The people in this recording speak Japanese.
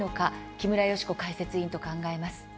木村祥子解説委員と考えます。